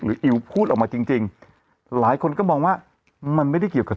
อิ๋วพูดออกมาจริงจริงหลายคนก็มองว่ามันไม่ได้เกี่ยวกับ